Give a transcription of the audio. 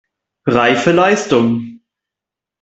Reife Leistung!